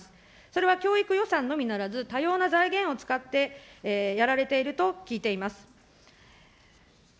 それは教育予算のみならず、多様な財源を使ってやられていると聞いています。